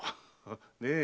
ねえ？